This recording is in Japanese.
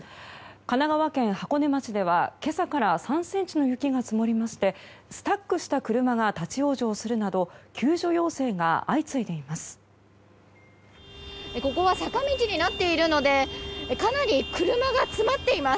神奈川県箱根町では今朝から３ｃｍの雪が積もりましてスタックした車が立ち往生するなど救助要請が相次いでいます。